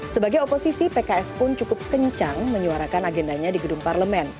sebagai oposisi pks pun cukup kencang menyuarakan agendanya di gedung parlemen